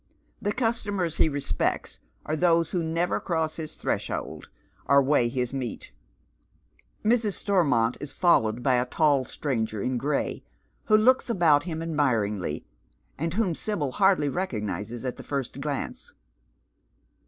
The customers he respects are those who never cross his threshold or weigh his meat. Mr. Stonnont is followed by a tall stranger in gray, who looks about him admiringly, and whom Sibyl hardly recognises at the first glance.